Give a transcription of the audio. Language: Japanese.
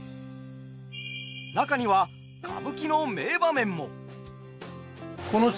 中には歌舞伎の名場面も。